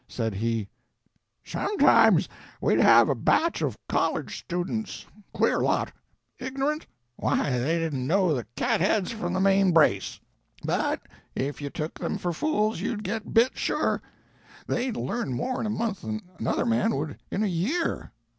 Said he: "Sometimes we'd have a batch of college students. Queer lot. Ignorant? Why, they didn't know the catheads from the main brace. But if you took them for fools you'd get bit, sure. They'd learn more in a month than another man would in a year.